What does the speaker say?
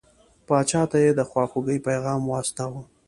پاچا ته یې د خواخوږی پیغام واستاوه.